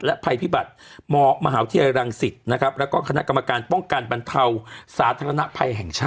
ภัยพิบัติมหาวิทยาลัยรังสิตนะครับแล้วก็คณะกรรมการป้องกันบรรเทาสาธารณภัยแห่งชาติ